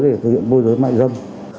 để thực hiện mua dưới mại dâm